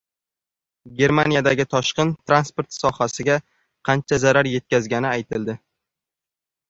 Germaniyadagi toshqin transport sohasiga qancha zarar yetkazgani aytildi